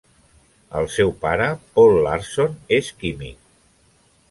El seu pare, Paul Larson, és químic.